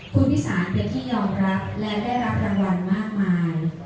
คุณวิสานเป็นที่ยอมรับและได้รับรางวัลมากมาย